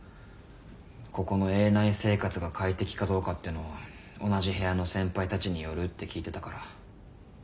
ここの営内生活が快適かどうかってのは同じ部屋の先輩たちによるって聞いてたから。